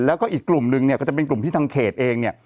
แล้วก็อีกกลุ่มนึงเนี่ยก็จะเป็นกลุ่มที่ทางเขตเองเนี่ย